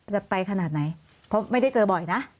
จะไปขนาดไหนเพราะไม่ได้เจอบ่อยนะ